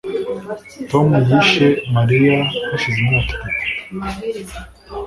Tom yishe Mariya hashize imyaka itatu